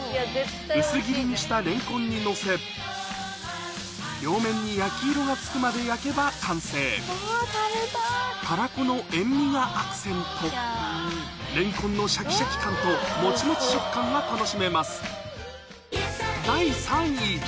薄切りにしたレンコンにのせ両面に焼き色がつくまで焼けば完成たらこの塩味がアクセントレンコンのシャキシャキ感とモチモチ食感が楽しめます